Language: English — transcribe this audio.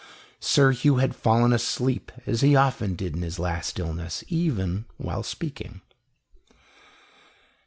Sir Hugh had fallen asleep, as he often did in his last illness, even while speaking.